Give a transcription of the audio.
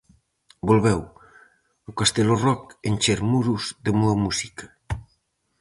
Volveu o Castelo Rock encher Muros de boa música.